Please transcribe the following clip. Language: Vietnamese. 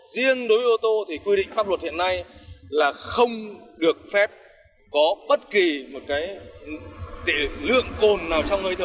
riêng đối với ô tô thì quy định pháp luật hiện nay là không được phép có bất kỳ một cái lượng cồn nào trong hơi thở